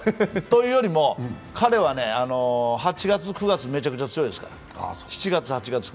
というよりも、彼は７月、８月、９月めちゃくちゃ強いですから。